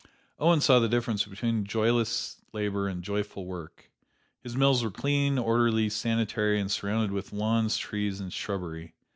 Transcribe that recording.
Owen saw the difference between joyless labor and joyful work. His mills were cleanly, orderly, sanitary, and surrounded with lawns, trees and shrubbery.